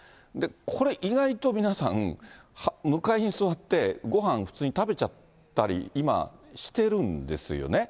これ、意外と皆さん、向かいに座ってごはん普通に食べちゃったり、今、してるんですよね。